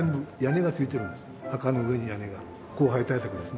墓の上に屋根が降灰対策ですね。